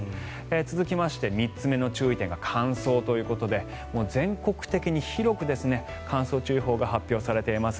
続きまして、３つ目の注意点が乾燥ということで全国的に広く乾燥注意報が発表されています。